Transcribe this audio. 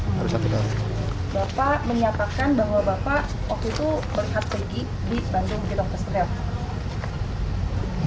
bapak menyatakan bahwa bapak waktu itu melihat peggy di bandung gita pesetrel